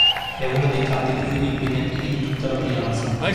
È uno dei tratti più impegnativi di tutta la Brianza.